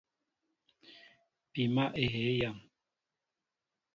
Pima ehey yam.